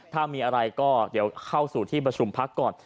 ถ้ามีอะไรก็เดี๋ยวเข้าสู่ที่ประชุมพักก่อน